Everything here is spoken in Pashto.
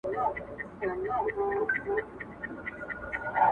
د ستونزو زورور بیان په سینه کې لري